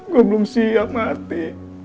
gue belum siap mati